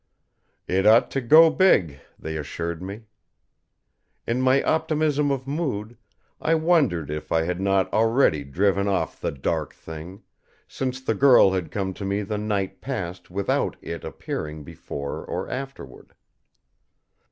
It ought to "go big," they assured me. In my optimism of mood, I wondered if I had not already driven off the Dark Thing, since the girl had come to me the night past without It appearing before or afterward.